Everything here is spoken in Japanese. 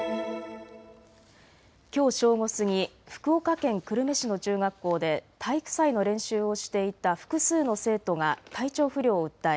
きょう正午過ぎ、福岡県久留米市の中学校で体育祭の練習をしていた複数の生徒が体調不良を訴え